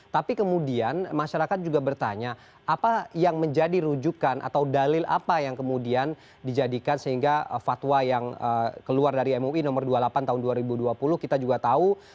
tapi kemudian masyarakat juga bertanya apa yang menjadi rujukan atau dalil apa yang kemudian dijadikan sehingga fatwa yang keluar dari mui nomor dua puluh delapan tahun dua ribu dua puluh kita juga tahu